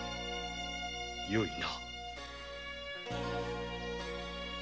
よいな。